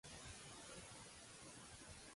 Davall del bon saial està l'home mal.